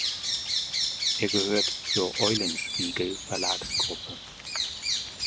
Er gehört zur Eulenspiegel Verlagsgruppe.